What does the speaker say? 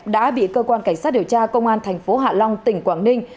đã bị cơ quan cảnh sát điều tra công an thành phố hạ long tỉnh quảng ninh